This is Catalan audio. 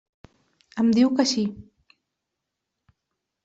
Em diu que sí.